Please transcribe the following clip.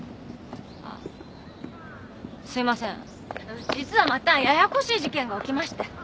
あの実はまたややこしい事件が起きまして。